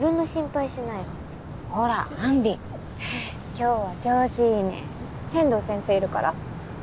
今日は調子いいね天堂先生いるから？